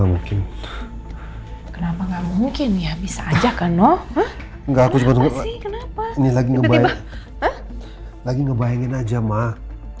mungkin kenapa nggak mungkin ya bisa aja kan oh enggak aku tuh ini lagi ngebayangin aja mah